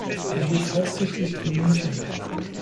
Er lebt hauptsächlich in München.